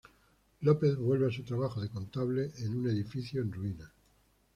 López vuelve a su trabajo de contable en un edificio en ruinas.